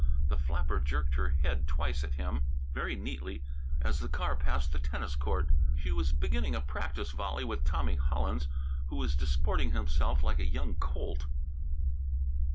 The flapper jerked her head twice at him, very neatly, as the car passed the tennis court. She was beginning a practise volley with Tommy Hollins, who was disporting himself like a young colt.